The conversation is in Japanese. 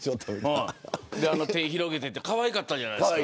手を広げてかわいかったじゃないですか。